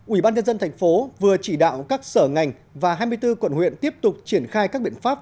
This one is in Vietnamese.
ủy ban nhân dân thành phố vừa chỉ đạo các sở ngành và hai mươi bốn quận huyện tiếp tục triển khai các biện pháp